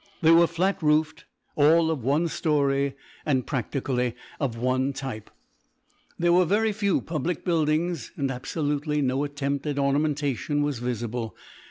They were flat roofed, all of one storey and practically of one type. There were very few public buildings, and absolutely no attempt at ornamentation was visible.